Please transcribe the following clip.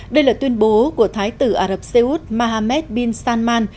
đây là tuyên bố của thái tử ả rập xê út mahammed bin salman